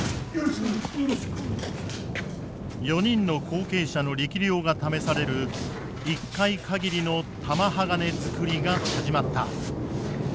４人の後継者の力量が試される一回かぎりの玉鋼づくりが始まった。